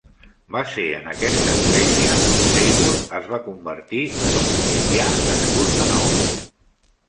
Va ser en aquesta església on Seymour es va convertir en un cristià nascut de nou.